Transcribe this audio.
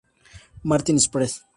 Martin's Press.